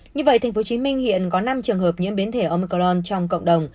như vậy tp hcm hiện có năm trường hợp nhiễm biến thể omclon trong cộng đồng